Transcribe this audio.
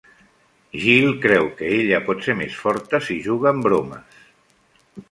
Jill creu que ella por ser més forta si juga amb bromes.